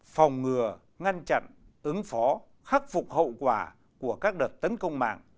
phòng ngừa ngăn chặn ứng phó khắc phục hậu quả của các đợt tấn công mạng